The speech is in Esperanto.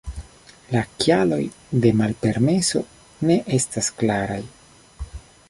La kialoj de malpermeso ne estas klaraj.